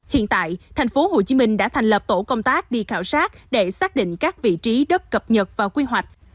hiện tại thành phố hồ chí minh đã thành lập tổ công tác đi khảo sát để xác định các vị trí đất cập nhật và quy hoạch